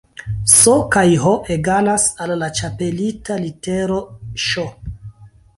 S kaj H egalas al la ĉapelita litero Ŝ